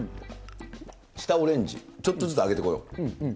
下オレンジ、ちょっとずつ上げてこよう。